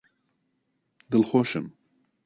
دڵخۆشم!